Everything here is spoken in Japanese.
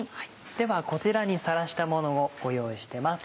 ではこちらにさらしたものをご用意してます。